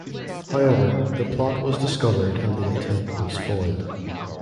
However the plot was discovered and the attempt was foiled.